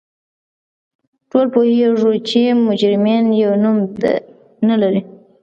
ټول پوهیږو چې مجرمین یو نوم نه لري